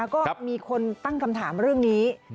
ก็มีคนตั้งคำถามเรื่องนี้